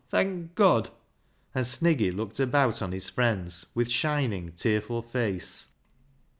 thank God!'" and Sniggy looked about on his friends with shining, tearful face.